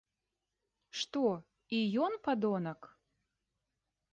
Што, і ён падонак?